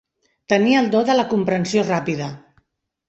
Tenia el do de la comprensió ràpida.